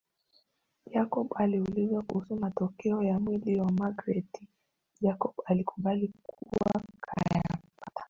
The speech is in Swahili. Jacob aliulizwa kuhusu matokeo ya mwili wa Magreth Jacob alikubali kuwa kayapata